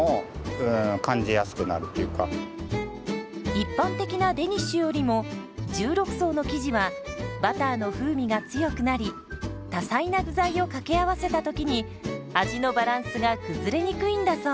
一般的なデニッシュよりも１６層の生地はバターの風味が強くなり多彩な具材を掛け合わせた時に味のバランスが崩れにくいんだそう。